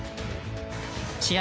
試合